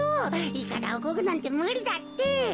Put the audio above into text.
いかだをこぐなんてむりだって。